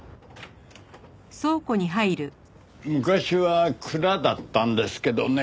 昔は蔵だったんですけどね